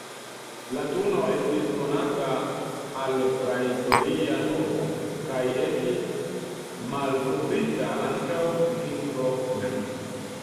Latuno estis konata al prahistoria homo, kaj estis malkovrita antaŭ zinko mem.